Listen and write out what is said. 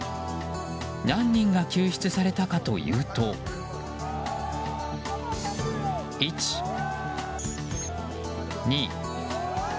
何人が救出されたかというと１、２。